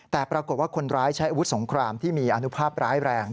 แต่ปรากฏว่าคนร้ายใช้อาวุธสงครามที่มีอนุภาพร้ายแรง